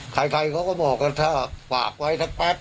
ใครเขาก็บอกกันถ้าฝากไว้สักแป๊บ